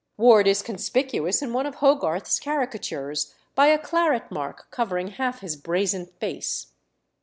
Ward is conspicuous in one of Hogarth's caricatures by a claret mark covering half his brazen face.